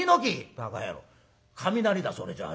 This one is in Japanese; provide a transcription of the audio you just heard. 「ばか野郎雷だそれじゃあ。